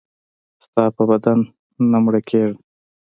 ستا په دیدن نه مړه کېږم.